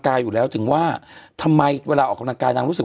คือคือคือคือคือ